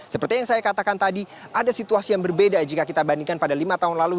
seperti yang saya katakan tadi ada situasi yang berbeda jika kita bandingkan pada lima tahun lalu